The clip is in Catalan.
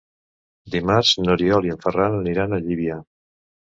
Dimarts n'Oriol i en Ferran aniran a Llívia.